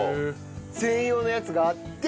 専用のやつがあって。